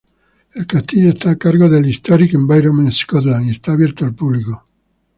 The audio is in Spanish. El castillo está a cargo del Historic Environment Scotland y está abierto al público.